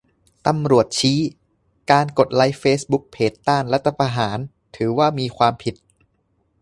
ตำรวจชี้ กดไลก์เฟซบุ๊กเพจต้านรัฐประหาร ถือว่ามีความผิด